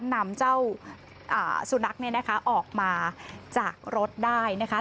นำเจ้าสุนัขเนี่ยนะคะออกมาจากรถได้นะคะ